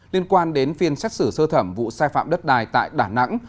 liên quan đến phiên xét xử sơ thẩm vụ sai phạm đất đài tại đà nẵng